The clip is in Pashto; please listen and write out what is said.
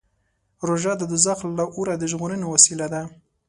روژه د دوزخ له اوره د ژغورنې وسیله ده.